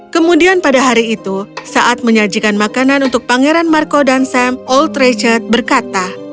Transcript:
kemudian pada hari itu saat menyajikan makanan untuk pangeran marco dan sam old richard berkata